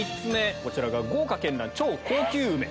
こちらが豪華絢爛超高級梅。